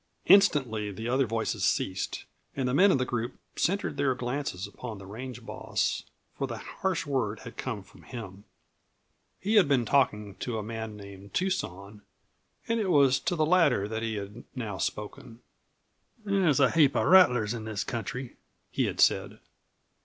Instantly the other voices ceased, and the men of the group centered their glances upon the range boss, for the harsh word had come from him. He had been talking to a man named Tucson and it was to the latter that he had now spoken. "There's a heap of rattlers in this country," he had said.